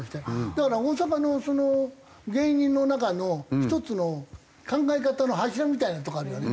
だから大阪の芸人の中の一つの考え方の柱みたいなところあるよね。